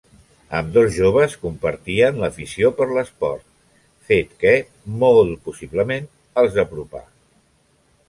Ambdós joves compartien l'afició per l'esport, fet que, molt possiblement, els apropà.